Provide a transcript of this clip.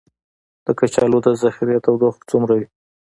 د کچالو د ذخیرې تودوخه څومره وي؟